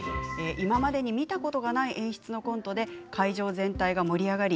今までに見たことがない演出のコントで会場全体が盛り上がり